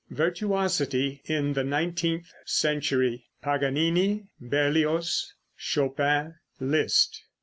VIRTUOSITY IN THE NINETEENTH CENTURY; PAGANINI; BERLIOZ; CHOPIN; LISZT.